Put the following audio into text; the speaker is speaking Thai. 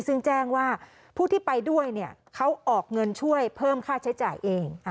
ซึ่งแจ้งว่าผู้ที่ไปด้วยเขาออกเงินช่วยเพิ่มค่าใช้จ่ายเอง